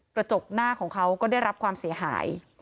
กระจกหน้าของเขาก็ได้รับความเสียหาย